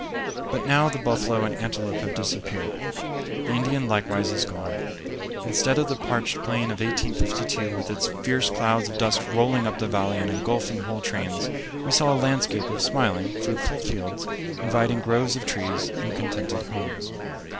But now the buffalo and antelope have disappeared; the Indian likewise is gone. Instead of the parched plain of 1852, with its fierce clouds of dust rolling up the valley and engulfing whole trains, we saw a landscape of smiling, fruitful fields, inviting groves of trees, and contented homes.